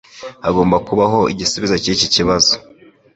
Hagomba kubaho igisubizo cyiki kibazo